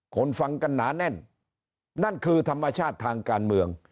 คนฟังกันหนาแน่นนั่นคือธรรมชาติทางการเมือง